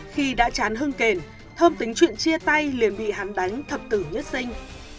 khi đã chán hưng kền thơm tính chuyện chia tay liền bị hắm đánh thập tử nhất sinh